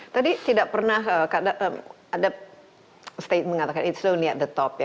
tadi tidak pernah ada statement yang mengatakan it's only at the top ya